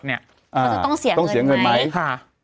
เขาจะต้องเสี่ยงเงินไหม